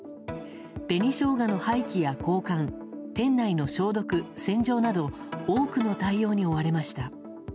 紅ショウガの廃棄や交換店内の消毒・洗浄など多くの対応に追われました。